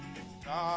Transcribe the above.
ああ。